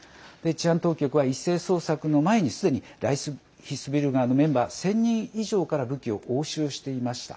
治安当局は一斉捜索の前にすでにライヒスビュルガーのメンバー、１０００人以上から武器を押収していました。